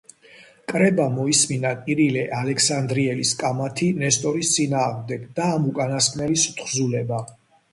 კრებამ მოისმინა კირილე ალექსანდრიელის კამათი ნესტორის წინააღმდეგ და ამ უკანასკნელის თხზულება.